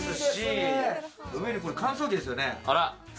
これ、乾燥機ですよね？